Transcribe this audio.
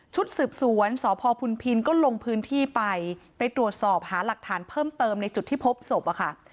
ชุดสืบสวนสพพุนพินก็ลงพื้นที่ไปไปตรวจสอบหาหลักฐานเพิ่มเติมในจุดที่พบศพอะค่ะ